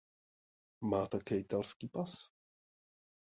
Má také italský pas.